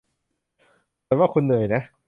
ฉันว่าคุณเหนื่อยนะ